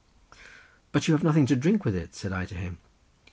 "But you have nothing to drink with it," said I to him.